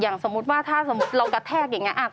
อย่างสมมุติว่าถ้าเรากระแทกอย่างนี้